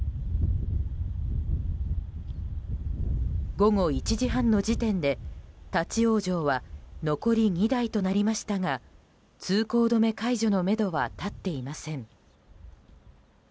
午後１時半の時点で立ち往生は残り２台となりましたが通行止め解除のめどは立っていません。